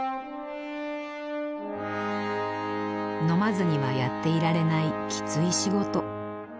飲まずにはやっていられないきつい仕事。